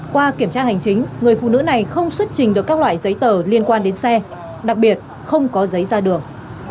qua kiểm tra hành chính người phụ nữ này không xuất trình được các loại giấy tờ liên quan đến xe đặc biệt không có giấy ra đường